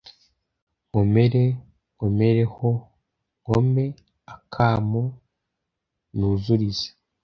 nkomere nkomereho: nkome akamu nuzurize